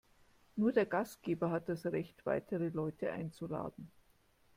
Nur der Gastgeber hat das Recht, weitere Leute einzuladen.